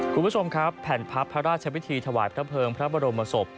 คุณผู้ชมครับแผ่นพับพระราชวิธีถวายพระเภิงพระบรมศพ